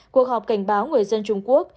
cuộc họp cảnh báo người dân trung quốc